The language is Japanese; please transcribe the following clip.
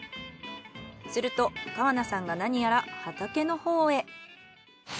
すると川名さんがなにやら畑のほうへ。